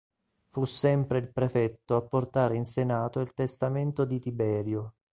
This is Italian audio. Fu sempre il prefetto a portare in Senato il testamento di Tiberio.